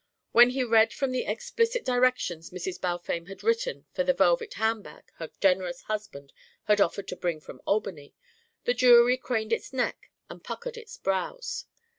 When he read them the explicit directions Mrs. Balfame had written for the velvet handbag her generous husband had offered to bring from Albany, the jury craned its neck and puckered its brows.